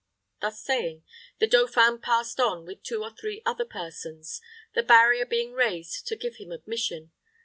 Thus saying, the dauphin passed on with two or three other persons, the barrier being raised to give him admission.